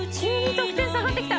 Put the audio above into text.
得点下がって来た！